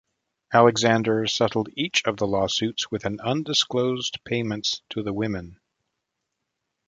Alexander settled each of the lawsuits with an undisclosed payments to the women.